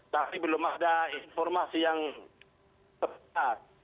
tapi belum ada informasi yang tepat